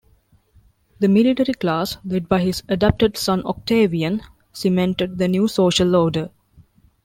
The military class, led by his adopted son Octavian, cemented the new social order.